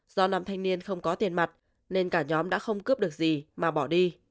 do nam thanh niên không có tiền mặt nên cả nhóm đã không cướp được gì mà bỏ đi